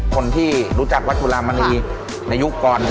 คนที่รู้จักวัดจุลามณีในยุคก่อน